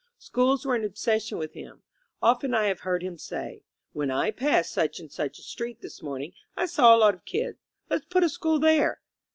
Schools were an obsession with him. Often I have heard him say: *^When I passed such and such a street this morning I saw a lot of kids. Let's put a school there."